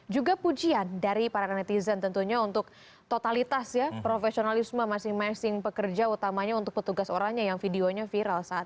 juga pujian dari para netizen tentunya untuk totalitas ya profesionalisme masing masing pekerja utamanya untuk petugas oranye yang videonya viral saat ini